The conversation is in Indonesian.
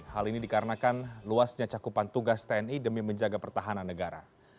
hal ini dikarenakan luasnya cakupan tugas tni demi menjaga pertahanan negara